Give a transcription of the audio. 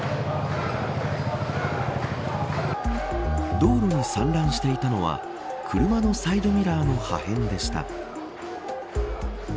道路に散乱していたのは車のサイドミラーの破片でした。